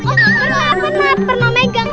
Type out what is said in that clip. oh pernah pernah pernah megang